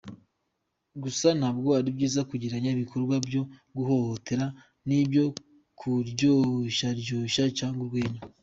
Gusa ntabwo ari byiza kugereranya ibikorwa byo guhohotera n’ibyo kuryoshyaryoshya cyangwa urwenya.